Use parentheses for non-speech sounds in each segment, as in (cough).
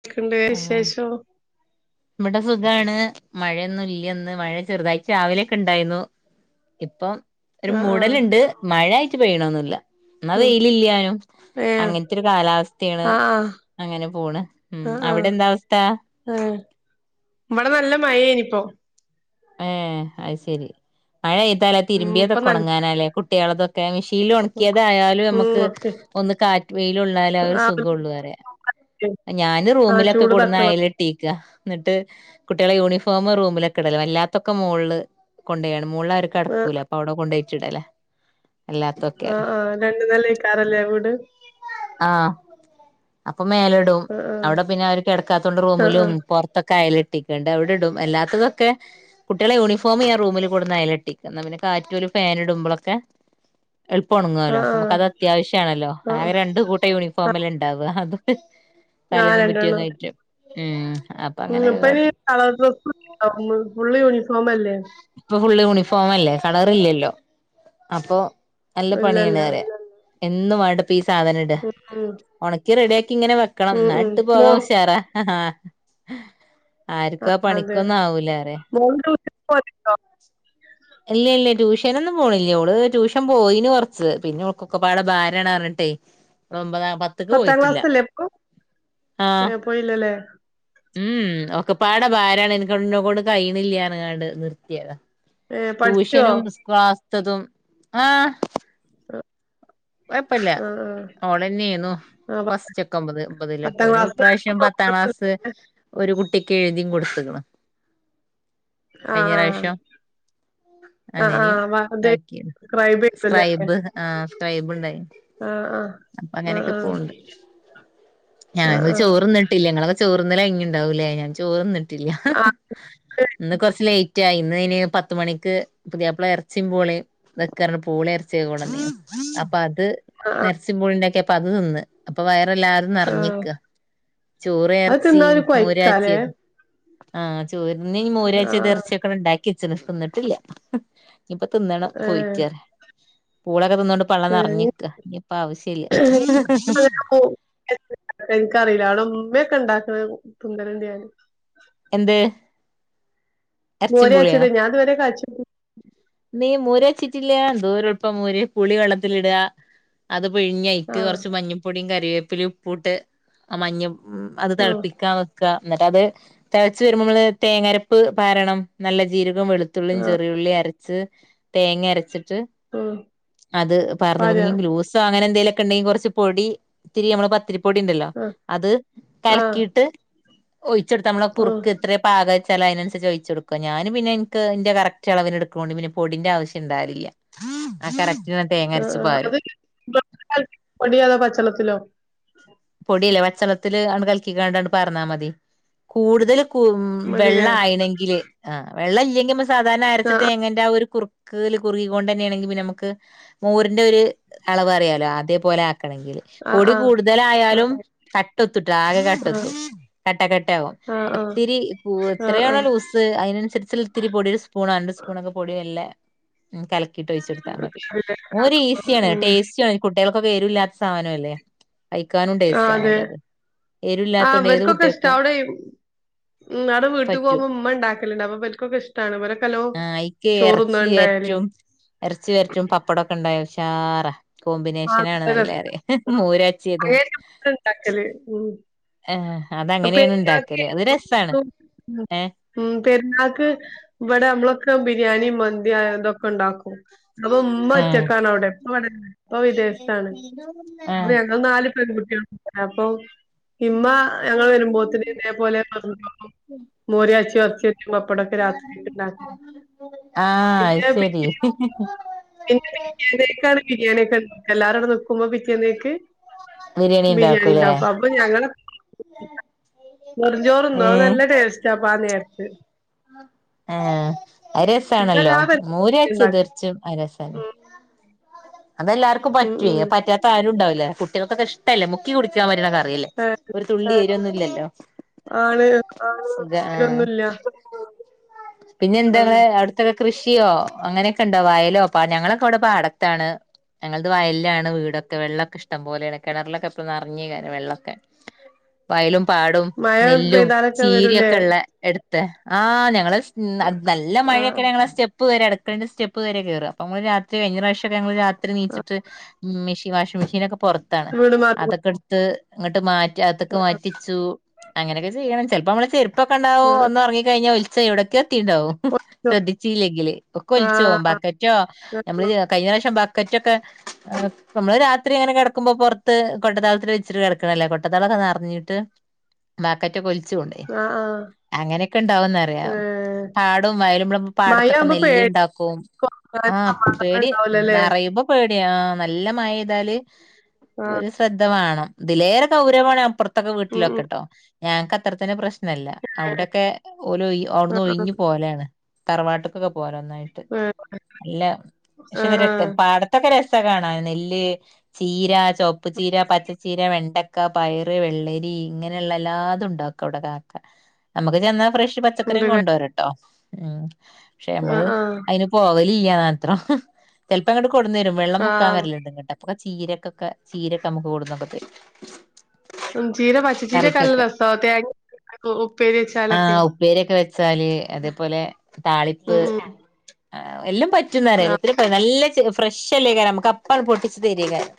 എന്തെക്കെണ്ട് ആഹ് വിശേഷം ഇവിടെ സുഖാണ് മഴയൊന്നും ഇല്ലഇന്ന് മഴ ചെറുതായിട്ട് രാവിലെയൊക്കെ ഇണ്ടായിരുന്നു ഇപ്പം ഒരു ആഹ് ആഹ് മൂടലുണ്ട് മഴ ആയിട്ടു പെയ്യണൊന്നുമില്ല എന്നാ ഉം വെയില് ഇല്ലാതാനും ഏഹ് അങ്ങനത്തെ ഒരു കാലാവസ്ഥയാണ് ആഹ് അങ്ങനെ പോണ് ഉം ആഹ് ആഹ് അവിടെ എന്താ അവസ്ഥ ആഹ് ഇവിടെ നല്ല മഴയാണിപ്പോ ഏ അത് ശെരി മഴ പെയ്താലേ ഉം ഇപ്പൊ തിരുമ്പിയതൊക്കെ നല്ല ഉണങ്ങാനാല്ലേ കുട്ടികളതൊക്കെ മെഷീനിൽ ഉണക്കിയതായാലും ഉം നമുക്ക് ഓക്കെ ഒന്ന് കാറ്റ് വെയിലുകൊള്ളാലേ ആ ഒരു ആഹ് സുഖമുള്ളു പറയാ ഞാാന് ആഹ് റൂമിലൊക്കെ ചൂട് കൊണ്ടുവന്ന് തട്ടണം അയയിലിട്ട് ട്ടിക്ക എന്നിട്ട് കുട്ടികളെ യൂണിഫോമ് റൂമിലൊക്കെ ഇടലും അല്ലാ ത്തൊക്കെ മുകളില് കൊണ്ട് പോയാണ് മുകളില് ആരും ആഹ് കിടക്കൂല അപ്പൊ അവിടെ കൊണ്ടുപോയിട്ട് ഇടാല്ലോ ആഹ് ആഹ് രണ്ട് നിലയിക്കാണല്ലേ വീട് ആഹ് അപ്പൊ മേലെ ഇടും ആഹ് അവിടെ പിന്നെ ആരും കിടക്കാത്തൊണ്ട് ആഹ് ആഹ് റൂമിലും പുറത്തൊക്കെ അയയിലി കെട്ടിക്കൊണ്ട് അവിടെ ഇടും അല്ലാത്തതൊക്കെ കുട്ടികളെ യൂണിഫോം ഞാൻ റൂമിൽ കൊണ്ടുവന്ന് അയിലിട്ടിക്കും ന്ന പിന്നെ കാറ്റു വരും ഫാനിടുമ്പലൊക്കെ എളുപ്പം ഉണങ്ങുവല്ലോ ആഹ് നമുക്ക് അത് അത്യാവശ്യമാണല്ലോ ആഹ് ആഹ് രണ്ട് കൂട്ടം ആഹ് യൂണിഫോമല്ലേ ഉണ്ടാവുക അത് പിന്നെ ആഹ് തലെന്നും രണ്ടെണ്ണം പിറ്റേന്നുമായിട്ട് ഉം ഇഞ്‌പ്പം കളർ ഡ്രെസ്സ് (unintelligible) ഫുള്ള് യൂണിഫോമല്ലേ. ഇപ്പൊ ഫുള്ള് യൂണിഫോമല്ലേ കളറില്ലല്ലോ അപ്പൊ നല്ല ഇല്ലല്ല പണ്യാണ് റ്യാ എന്നും വാണ്ടപ്പോ ഈ സാധന ഇ ടാ ഉം ഉം ഒണക്കി റെഡ്യാക്കി ങ്ങനെ വെക്കണം. ഉം എന്നാ ഉം ട്ട് പോവാൻ മോ ഉഷാറ. ആര്ക്കും ആ പണിക്കൊന്നും ആവൂലാറ്യ. മോള് ട്യൂഷൻ പോവല്ണ്ടോ? ഇല്ലല്ല ട്യൂഷനൊന്നും പോണില്ല. ഓള് ട്യൂഷൻ പോയിന് കൊർച്ച് പിന്നെ ഓൾക്കൊക്കപ്പാടെ ബാരാണർഞ്ഞിട്ടെ ഓളൊമ്പതാ പ പത്താം ക്ലാസ്സല്ലേപ്പൊ ആഹ് ഏഹ് പോയില്ലല്ലേ. ഉം ഉം ഒക്കെപ്പാടെ ഭാരാണ് ഇൻക്ക് ഇന്നേക്കോണ്ട് കയ്യിണില്ല്യാർഞ്ഞ്കാണ്ട് നിർത്ത്യെത. ഏ പഠിച്ചോ ട്യൂഷനും സ് ക്ലാസ്സ്ത്തതും ആഹ്. കൊഴപ്പല്ല ആ ആ ഓളന്നേനു ആ, പ- ഫസ്റ്റൊക്കൊമ്പത് ഒമ്പതിലൊക്കെ പത്താം പിന്നെ ക്ലാസ് ഓള്പ്രാവശ്യം പത്താം ക്ലാസ്. ഒരു കുട്ടിക്ക് എഴ്തിം കൊട്ത്ത്ക്ക്ണ്. ആഹ് പ്രാവശ്യം ആഹ് അങ്ങനിം അത് താക്കീണ് സബ്സ്ക്രൈബ് ചെയ്തല്ലല്ലേ സ്ക്രൈബ് ആഹ് സ് ക്രൈബ്ണ്ടായീനി ആ ആ ആ അപ്പങ്ങനൊക്കെ ആ പോവണ്ട്. ആ ഞങ്ങക്ക് ആ ചോറ് ന്ന്ട്ടില്ല ഇങ്ങളൊക്കെ ചോറ്ന്നലയ്ഞ്ഞിണ്ടാവുലെ ഞാൻ ചോറ്ന്ന്ട്ടില്ല. ആ അത് ഇന്ന് കൊർച്ച് ലെയ്റ്റായി ഇന്നയ്ന് പത്ത് മണിക്ക് പുതിയാപ്പള എർച്ചിം പൂളിം വെക്കാർഞ്ഞ് പൂളിം എർച്ച്യൊക്കെ കൊണ്ടന്നീനു. അപ്പത് ആ ആ ഇന്നെർച്ചിം പൂളിണ്ടാക്ക്യപ്പൊ അത് തിന്ന് അപ്പൊ വയറല്ലാര് ആ. നർഞ്ഞ്ക്ക ചോറ് അത് തിന്നാ എർച്ചിം ഒരു മോര് കൊയ്ക്കാലേ കാച്ച്യതും. ആഹ് ചോറ്ന് ആ മോരാച്ച്യതും എർച്ച്യൊക്കവടെ ണ്ടാക്ക്യച്ച്ണ് തിന്ന്ട്ടില്ല. ഇഞ്പ്പൊ തിന്നണം ഏ പോയിട്ട്റ്യാ പൂളൊക്കെ തിന്നോണ്ട് പള്ള ഏ നർഞ്ഞ്ക്ക ഇഞ്പ്പാവശ്യല്ല. (unintelligible) എനിക്കറില്ല അവടെ ഉമ്മക്കെ ഇണ്ടാക്ക്ണത് തിന്നല്ണ്ട് ഞാന്. എന്ത്? എറച്ചിം മോരാച്ച്യത് ഞാൻ ഇത് വരെ കാച്ച് മ്മേ മോരച്ച്ട്ട്ല്ല എന്തോരെള്പ്പാ മോര് പുളി വെള്ളത്തിലിടാ അത് ആ പിഴിഞ്ഞയ്ക്ക് കൊർച്ച് മഞ്ഞിപ്പൊടിം കറിവേപ്പിലിം ഉപ്പൂട്ട് ആ മഞ്ഞം ഉം അത് ആ തൾപ്പിക്കാ വെക്കാ ഇന്നട്ടത് തൾച്ച് വെരുമ്പമ്മള് തേങ്ങരപ്പ് പാരണം. നല്ല ജീരകം, വെളുത്തുള്ളിം ആ ചെറിയുള്ളി അരച്ച് തേങ്ങ രച്ച്ട്ട് ആ അത് പാർന്ന് പറയാ ഇങ്ങക്ക്ഞ്ഞ് ലൂസോ അങ്ങനെന്തേലൊ ക്കെണ്ടെങ്കിൽ കൊർച്ച് പൊടി ത്തിരി അമ്മളെ പത്തിരിപ്പൊടിണ്ടല്ലോ ആ അത് ആ കലക്കിട്ട് ഒയ്ച്ചൊട്ത്ത അമ്മളെ ഉം കുറുക്ക് എത്ര പകെച്ചാല് അയ്നൻസരിച്ച് ഒയ്‌ച്ചൊട്ക്ക. ഞാന് പിന്നെ ഇൻക്ക് ഇന്റെ കറക്റ്റളവിന്ട് ത്തോണ്ട് പിന്നെ പൊടിൻ്റാവശ്യണ്ടാവലില്ല. ആ കറക്ട് ന്നട്ടെ ആഹ് ആഹ് അത് ചൂടുവെള്ളത്തി കലക്കി പൊട്യോ അതോ പച്ചള്ളത്തിലോ പൊട്യല്ലേ പച്ചള്ളത്തില് ആണ്ട് കല്ക്കിക്കാണ്ടാണ്ട് പാർന്നാമതി കൂടുതല് കു ഉം മതിലേ വെള്ളായിണെങ്കില് ആഹ് വെള്ളല്ലെങ്കി നമ്മ ആ സാധാരണരച്ച് തേങ്ങ ൻ്റെ ആ ഒരു കുറുക്ക്ല് കുറുകികൊണ്ടേണെങ്കി പിന്നമ്മക്ക് മോരിൻ്റൊര് അളവറിയാലോ അതേപോലെ ആക്കണങ്കില് ആ പൊടി ആ ആ കൂടുതലായാ ആ ലും കട്ടത്തുട്ടോ ആകെ കട്ടത്തും. കട്ട കട്ടാവും ആ ഒത്തിരി കൂ ആ ആ ആ അതെ. എത്രയാണോ ലൂ സ് അയ്നൻസര്ച്ചിൽ ഇത്തിരി പൊടി ഒര് സ്പൂണോ രണ്ട് സ്പൂണൊക്കെ പൊടി മെല്ലേ ഉം കലക്കിട്ട് ഒഴിച്ച് കൊടുത്താ മതി ഒര് ഈസിയാണ് ഉം ടേസ്റ്റിണ് കുട്ട്യാൾക്കോക്കെ എരുല്ലാത്തെ സാനും അല്ലേ ആഹ് അതെ ആഹ് എരുല്ലാത്തോണ്ട് ഏത് ഇവർക്കൊക്കെ ഇഷ്ട്ടാ കുട്ടികൾക്കും അവിടെയും ഉം അവ്ടെ വീട്ട് പറ്റും പോവുമ്പോ ഇമ്മ ഇണ്ടാക്കല്ണ്ട് അപ്പ ഇബൽക്കോക്കെ ഇഷ് ട്ടാണ് ഇവരോക്കെ ലോ ആഹ് ഇക്കെ എറച്ചി ഏറ്റവും എറച്ചി വെര്റ്റിയതും പപ്പടക്കെ ഇണ്ടായ ഉഷാറാ ആ കോമ്പിനേഷനാണ് നല്ല നല്ലേ രസാ മോരാച്ചിയതും ഉണ്ടാക്കല് ഉം ഏഹ് അത് അങ്ങനെണ് പെരുന്നാക്ക് ഇണ്ടാക്കല് അത് രസാണ് ഉം ഏഹ് ഉം പെരുന്നാക്ക് ഇവടെ നമ്മളൊക്കെ ബിരിയാണി, മന്തി അതൊക്കെ ഇണ്ടാക്കും അപ്പ ഉമ്മ ആ ഒറ്റക്കാണ് അവ്ടെ (unintelligible) ഇപ്പ വിദേശത്താണ് ആ അപ്പൊ ഞങ്ങള് നാല് (unintelligible) അപ്പൊ ഇമ്മ ഞങ്ങള് വെരുമ്പോത്തിന് ഇതേ പോലെ വെറും ചോറും മോര്യാച്ചിയതും, എർച്ചി വേര്റ്റിയതും, പപ്പടും ഒക്കെ രാത്രികക്ക് ഇണ്ടാകി പിന്നെ പിറ്റേന്ന് ക്ക (unintelligible) പിറ്റേന്നക്കാണ് ബിരിയാണി ഒക്കെ എല്ലാരും അവ്‌ടെ നിക്കുമ്പോ പിറ്റേന്നകക്ക് ബിരിയാണി ഇണ്ടാക്കും അപ്പൊ ഞങ്ങ (unintelligible) വെർചോറ്ന്നോ അത് ഏഹ് നല്ല ടേസ്റ്റാ പ്പ ആ നേര്ത്ത് ആഹ് അത് രസാണല്ലോ ഇങ്ങളെല്ലാ പരിപാടിക്കും മോരാച്ചിയതും ഇണ്ടാക്കും. എർച്ചും അത് രസന്നെ ഉം അത് എല്ലാർക്കും ഉം പറ്റേ ഉം പറ്റാത്ത ആരും ഇണ്ടാവൂല കുട്ട്യാൾക്കോക്കെ ഇഷ്ടല്ലേ മുക്കി കുടിക്കാൻ പറ്റുന്ന കറിയെല്ലേ ഏഹ് ഒരു തുള്ളി തീരൊന്നുല്ലല്ലോ ആള് സുഖ ആഹ് ഇതൊന്നുല്ല പിന്നെ അതെ. എന്താങ്ങള് അവിട് ത്രേ കൃഷിയോ അങ്ങനെക്കെ ഇണ്ടോ വയലോ ഞങ്ങളൊക്കെ ഇവടെ പാടത്താണ് ഞങ്ങൾത് വയല്ലാണ് വീടൊക്കെ വെള്ളൊക്കെ ഇഷ്ടം പോലെണ് കേണർലൊക്കെ ഇപ്പോ നെർഞ്ഞെക്കാരം വെള്ളൊക്കെ ഉ വയലും, പാടും, മഴ നെല്ലും, പെയ്താലൊക്കെ വരൂലേ ചീരയൊക്കെ ഇള്ളെ എട്ത്തെ ആഹ് ഞങ്ങള് ന്ന നല്ല ആഹ് മഴയെക്കെണെങ്കി ഞങ്ങളാ സ്റ്റെ പ്പ് വരെ അടുക്കളെത്തെ സ്റ്റെപ്പ് വേറെ കേറാ അപ്പ അമ്മള് രാത്രി കഴിഞ്ഞ പ്രാവശ്യെക്കെ ഞങ്ങള് രാത്രി ആഹ് നീച്ച്ട്ട് ഉം ഈ വാഷിംഗ് മെഷീനോക്കെ പോർത്താണ് വീട് മാറി അതൊക്കെ ഇട്ത്ത് ഇങ്ങട്ട് മാറ്റി ഈ അകത്ത്ക്ക് ആഹ് മാറ്റിച്ചു അങ്ങനൊക്കെ ചെയ്യണം ചെൽപ്പോ അമ്മളെ ചെരുപ്പൊക്കെ ഇണ്ടാവും ഒന്ന് ഒറങ്ങി കഴിഞ്ഞാ ച എവ്ടെക്കെ എത്തിണ്ടാവും ശ്രദ്ധിച്ചില്ലെങ്കില് ഒക്കെ ഒൽച്ചോവും ആഹ് ബാക്കറ്റോ ആഹ് നമ്മള് കഴിഞ്ഞ പ്രാവശ്യം ബക്കറ്റൊക്കെ ഏഹ് നമ്മള് രാത്രി ഇങ്ങനെ കെടക്കുമ്പോ പൊർത്ത് കൊട്ടത്തളത്തില് വെച്ചിട്ട് കെടക്കണല്ലേ കൊട്ടത്തളൊക്കെ ന്നർഞ്ട്ട് ബക്കറ്റൊക്കെ ഒൽച്ച് കൊണ്ടേയ്നി ആഹ് ആഹ് അങ്ങനെക്കെ ഇണ്ടാവും ന്നറയാ ഏഹ് (unintelligible) വയിലും പ്ലം പാടത്തൊക്കെ മഴയാവുമ്പോ പേടിക്കാനും നെല്ല്ണ്ടാക്കും ആഹ് സമാധാനം പേടി ഉം ഉണ്ടാവൂലല്ലേ ഇത് പ്പ പേടിയാ ആഹ് നല്ല മയെയ്താല് ആഹ് ഒര് ശ്രദ്ധ വാണം ഇതിലേറെ കൗരവാണ് അപ്പോർത്തൊക്കെ ഉം ഉം വീട്ടിലൊക്കെട്ടോ ഞങ്ങക്ക് അത്രത്തന്നെ പ്രശ് ന്നല്ല ഏഹ് അവ്ടൊക്കെ ഓല് ഒയി അവ്ട്ന്ന് ആഹ് ആഹ് ഒഴിഞ്ഞ് പോലാണ് തറവാട്ട്ക്കൊക്കെ പോല ഒന്നായി ട്ട് ഏഹ് ഇല്ല ആഹ് (unintelligible) ആഹ് പാടത്തൊക്കെ രസാ കാണാന് നെല്ല്, ചീര, ചൊവപ്പ് ചീര, പച്ചച്ചീര വെണ്ട ക്ക പയറ്, വെള്ളരി ഇങ്ങനെള്ളെ എല്ലാതും ഇണ്ടാക്കും അവ്ടെ കാക്ക നമക്ക് ചെന്ന ഫ്രഷ് പച്ചക്കറിക്കൊ ഉണ്ട്ല്ലേ കൊണ്ടോരോട്ടോ ഉം പക്ഷെ ആഹ് അമ്മള് ആഹ് അയ്ലെ പോകലില്ല്യന്ന് മാത്രം ചെൽപ്പം ഇങ്ങട്ട് കൊട്ന്നെരും വെള്ളം മുക്കാം ആഹ് വെര്ല്ണ്ട് ഇങ്ങട്ടൊക്കെ അപ്പൊക്കെ ചീരക്കൊക്കെ ചീരൊക്കെ അമ്മക്ക് കൊട്ന്നൊക്കെ തെരും ചീര പച്ച ചീരാക്കല്ലോ രസാ തെങ്ങി ഉം ഉപ്പേരിച്ചാ ആഹ് ഉപ്പേരൊക്കെ വെച്ചാല് അതേപോലെ താളിപ്പ് ഉം ഉം ആഹ് എല്ലാം പറ്റുംന്നറിയാ ആഹ് എല്ലാത്തിനും. നല്ല ചുക ഫ്രഷ്ല്ലേയ്കാരേം നമുക്ക് അപ്പണ് പൊട്ടിച്തെരയ്കാരം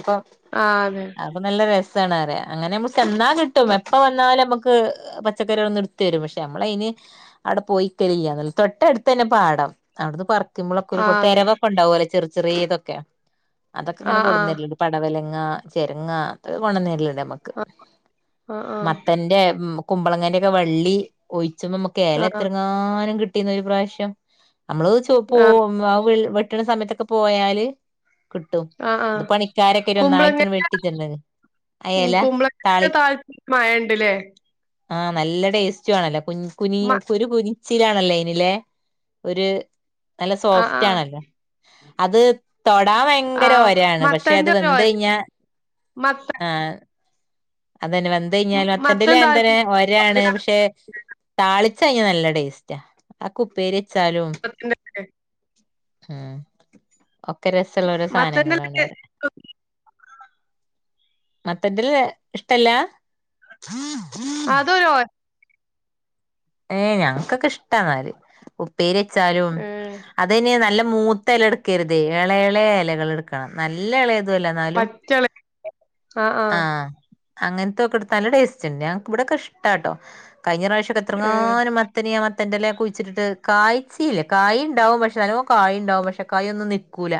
അപ്പൊ. ആഹ് അതെ. അപ്പൊ നല്ല രസാണറിയ അങ്ങനെ അമ്മള് ചെന്നാ കിട്ടും ആഹ് എപ്പ വന്നാലുംഅമ്മക്ക് ക്ക് പച്ചക്കറേളൊന്ന്ട്തെരും പക്ഷെ അമ്മളയിന്. അടെ പോയിക്കലില്ലന്നൊള്ളൂ തൊട്ടടുത്തന്നെ പാടം അവിടുന്ന് പറിക്കുമ്പോഴൊ കുരു പൊ അതെ തെരവൊക്കെ ഇണ്ടാവോലോ ചെർ ചെറേതൊക്കെ അതൊക്കെങ്ങനെ ആഹ് കൊടുന്നരെലിണ്ട്. പടവലങ്ങ, ചെരങ്ങ, അതൊക്കെ കൊണ്ടന്നരല്ണ്ട് അമ്മക്ക്. ക്ക് ആഹ് ആഹ് മത്തന്റെ കുമ്പളങ്ങന്റെക്കെ വള്ളി ഒഴിച്ച് മ്പോമ്മ ആഹ് എലത്രങ്ങാനും കിട്ടീന്നു ഒരു പ്രാവശ്യം നമ്മള് ചോ പോ ആഹ് മാവ് വെട്ട്ണെ സമയത്തൊക്കെ പോയാല്. കിട്ടും ആഹ് ഇത് ആഹ് പണിക്കാരൊക്കെ കുമ്പളങ്ങ ഒന്നായിട്ടാണ് വെട്ടിതെര്നത്. ഉം കുമ്പളങ്ങന്റെ താളിപ്പ് മയണ്ട്ലെ. ആഹ് നല്ല ടേസ്റ്റുആണല്ലോ കുഞ് മ കുനിയ് കുരു കുനി. ചിലാണല്ലോ ലൈന്ലെ ഒര് നല്ല സോഫ് ആഹ് ആഹ് റ്റാണല്ലോ അത് തൊടാഭയങ്കര ആഹ് ഒരാണ് പക്ഷെ അത് വന്തഴിഞ്ഞാ. മത്രേ. അതന്നെ വന്തഴിഞ്ഞാല് മത്തൻ മത്തന്റെലിം താഴത്ത് അങ്ങൻതന്നെ ഒരു ഒരാണ് പശേ. താളിച്ചഴിഞ്ഞ നല്ല ടേസ്റ്റാ അഒക്കുപ്പേരെച്ചാലും. (unintelligible) ഉം ഒക്കെ രസള്ള ഓരോ മത്തന്റെ സാനങ്ങളാണ് അല്ലേ? പറിയാ. മത്തന്റെല ഇഷ്ടല്ലാ. അതൊരൊ ഏഹ് ഞങ്ങക്കൊക്കെ ഇഷ്ടന്നാല് ഉപ്പേരെച്ചാലും ഏഹ് അത് അതയ്ന് നല്ല മൂത്ത എല ഇട്ക്കരുത് എളെ എളേ എലകള്ട്ക്കണം നല്ല എളേതുഅല്ല ഇന്നാലും. പച്ചള് ആഹ് അങ്ങൻതൊക്കെടുത്ത നല്ല ടേസ്റ്റ്ണ്ട് ഞങ്ക്ക് ഇവടൊക്കെ ഇഷ്ടാട്ടോ കഴിഞ്ഞ പ്രാവശ്യം. ഏഹ് എത്രങ്ങാനും മ തനിയ മത്തന്റെലെ കുയിച്ചിട്ട്ട്ട് കായ്ചില കായ് ഇണ്ടാവും നല്ലോം കായിണ്ടാവും പക്ഷെ കായൊന്നും നിക്കൂല.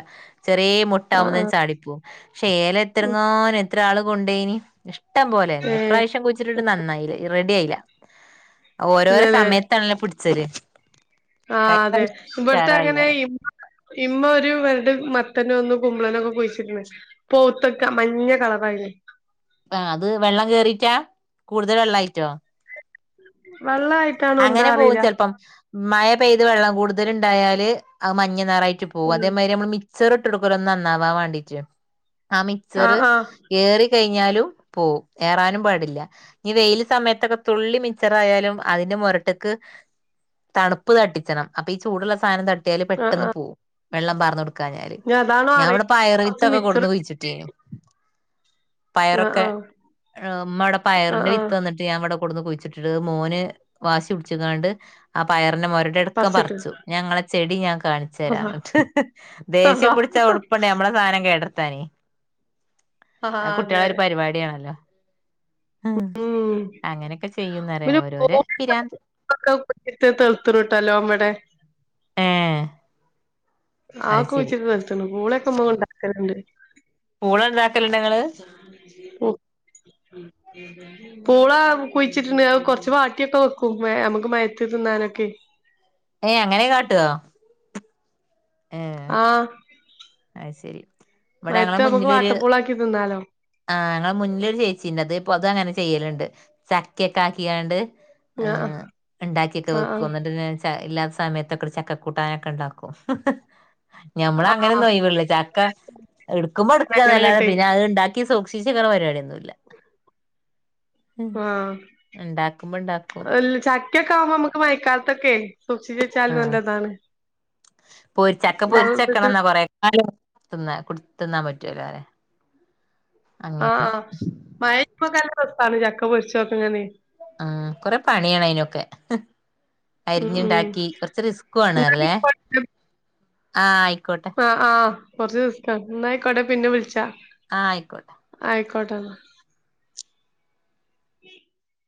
ചെറ്യേ ആഹ് മുട്ടാവുമ്പത്തിന് ആഹ് ചാടിപ്പോവും ശേ ഏല എത്രങ്ങാനും എത്ര ആള് കൊണ്ടയ്നി. ഇഷ്ട്ടം പോലെര്ന്ന് ഏഹ് ഇപ്രാവശ്യം കുയിച്ചിട്ടിട്ട് നന്നായില റെഡി ആയില. ഓരോരോ ഇല്ലല്ലേ സമയത്താണല്ലോ പിടിച്ചല്. ആഹ് അതെ ഇവട്ത്തങ്ങനെ ചാറായിറെ ഇപ്പ ഇമ്മൊരു മെരെട് മത്തനൊന്നും കുമ്പളനൊന്നും കുയിച്ചിട്ടിന്ന്പക്ഷേ പൗത്തൊക്കെ മഞ്ഞ കളറായീന്. ആഹ് അത് വെള്ളം കേറീറ്റാ കൂടുതൽ വെള്ളായിറ്റൊ വെള്ളായി അങ്ങനെ പോകും ചെൽപ്പം. മയ പെയ്ത് വെള്ളം കൂടുതല്ണ്ടായല് ആഹ് മഞ്ഞ നാറായിറ്റ് പോകും അതേമാതിരി നമ്മൾ മി ച്ചറ്ട്ടോട്കൊല്ലോ ഒന്ന് നന്നാവവാണ്ടീറ്റ് ആ ആഹ് മിച്ചറ് ആഹ് ഏറി കഴിഞ്ഞാലും പോവും ഏറാനും പാടില്ല. ഈ വെയ്ല് സമയത്തൊക്കെ തുള്ളി മിച്ചറായാലും അതിന്റെ മുരട്ട്ക്ക് തണുപ്പ് തട്ടിച്ചണം അപ്പൊ ഈ ചൂടുള്ള സാധനം ത ട്ട്യാല് ആഹ് പെട്ടന്ന് ആഹ് പോകും വെള്ളം പറന്നൊട്ക്കാഞ്ഞാല് ഇനി അതാണോ ഞാവടെ അറിയില്ല പയർ കൊറച്ച് വിത്തൊക്കെ മിച്ചർ കൊട്ന്ന് കുഴിച്ചിട്ടീനു ആഹ് പയറൊക്കെ ആഹ് ഹ് മ്മവടെ ആഹ് പയറിന്റെ ആഹ് വിത്തന്ന്ട്ട് ഞാവടെ കൊട്ന്ന് കുഴിച്ചിട്ടിട്ട് മോന് വാശിപുഡ്ച്ച്കാണ്ട് ആ പയറിന്റെ മൊര ട്ക്കം പറിച്ചിട്ട് പറച്ചു ഞങ്ങളെ ചെടി ഞാ അതാ കാണിച്ചരാനർഞ്ഞിട്ട് അതാ ദേഷ്യം പിടിച്ചാ എള്പ്പാണ് ഞമ്മളെ സാധനം കേടർത്താന് ആഹ് കുട്ട്യാളോരു പരിപാഡ്യാണല്ലോ ഉം (unintelligible) (unintelligible) ചെയ്യുന്നറിയാ ഓരോരെ പിരാന്ത് ബേട്ടിയിട്ടേ തെലുതിന് ട്ടോ ബടെ ഏഹ് ആഹ് കുച്ചിട്ട്തയ്ത്ത്ക്ക്ണ് പൂളക്കമ്മബടെണ്ടാക്കല്ണ്ട് പൂള ഉണ്ടാക്കലുണ്ടോ നിങ്ങള് ഓ പൂള കുഴിച്ചിട്ട്ണ്ട് അഹ് കൊർച്ച് ബാക്കിയൊക്കെ വെക്കും നമുക്ക് മയത്തി തിന്നാനൊക്കെ ഏയ് അങ്ങനെ കാട്ടുവോ ഏ ആഹ് അത് ശരി ഇവിടെ ഞങ്ങളെ മയത് മ്മക്ക് മുന്നിലൊരു വാട്ടപൂളാക്കി തിന്നാലോ ആഹ് ഞങ്ങളെ മുന്നിലോരു ചേച്ചിണ്ട് അത് പ്പൊ അതങ്ങനെ ചെയ്യല്ണ്ട് ചക്കക്കെ ആക്യാണ്ട് ആഹ് ണ്ടാക്കിയൊക്കെ വെക്കും ആഹ് ന്നിട്ട് ച്ച ഇല്ലാത്ത സമയതോക്കണ്ട് ചക്ക കൂട്ടാനൊക്കെണ്ടാക്കും ആഹ് ഞമ്മളങ്ങനോന്നു ണ്ടല്ലോ ചക്ക ഓർക്കുമ്പോട്ക്കാന്നല്ലാതെ അങ്ങനെങ്ങട്ടെ പിന്നെ അഹ്ണ്ടാക്കി സൂക്ഷിച്ചക്ക്ണപരിപാടിയൊന്നുല്ല ഉം ണ്ടാക്കുമ്പോണ്ടാക്കും ഉം ചക്ക ക്യോക്കകുമ്പോമ്മക്ക് മയക്കാൽതോക്കെ സൂക്ഷിച ആഹ് പൊരിച്ച ചക്ക വള്ളത്തിട്ട് പൊരിച്ചക്കണന്നാ കൊറേ ക്കാലം തിന്ന തിന്നാം പറ്റല്ലോ അങ്ങനെ ആഹ്അഹ് മയക്കപെയ്യുമ്പോൾ നല്ല രസാണ് ചക്ക പൊര്ച്ചൊക്കെ ഇങ്ങനെ ആഹ് കൊറേ പണിയാണയിനൊക്കെ ഉം ഉം അരിഞ്ണ്ടാക്കി കുറച്ച് ന്നാ റിസ്കണറില്ലേ ആയിക്കോട്ടെ. ആഹ് ആയിക്കോട്ടെ ആഹ് ആഹ് കോർച്ച് റിസ്ക്കാണ് ന്നായിക്കോട്ടേ പിന്നെ വിൾച്ചാ ആഹ് അയ്ക്കോട്ടെ ആയിക്കോട്ടന്നാ (inaudible)